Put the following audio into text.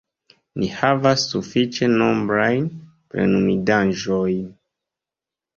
Ni havas sufiĉe nombrajn plenumindaĵojn.